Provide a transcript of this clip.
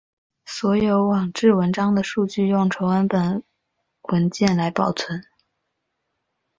所有网志文章的数据用纯文本文件来保存。